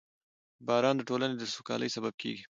• باران د ټولنې د سوکالۍ سبب کېږي.